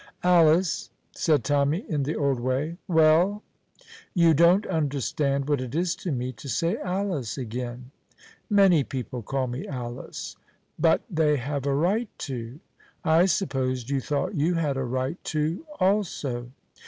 "Alice," said Tommy, in the old way. "Well?" "You don't understand what it is to me to say Alice again." "Many people call me Alice." "But they have a right to." "I supposed you thought you had a right to also."